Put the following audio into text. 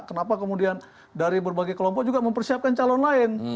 kenapa kemudian dari berbagai kelompok juga mempersiapkan calon lain